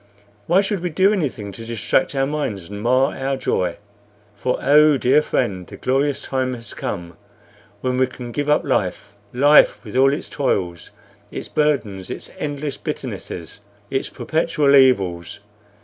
Why should we do anything to distract our minds and mar our joy? For oh, dear friend, the glorious time has come when we can give up life life, with all its toils, its burdens, its endless bitternesses, its perpetual evils.